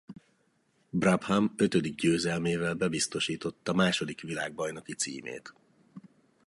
Brabham ötödik győzelmével bebiztosította második világbajnoki címét.